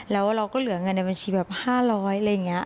แล้วเราก็เหลือเงินในบัญชีแบบ๕๐๐อะไรอย่างนี้